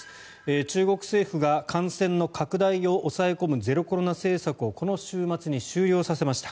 中国政府が感染の拡大を抑え込むゼロコロナ政策をこの週末に終了させました。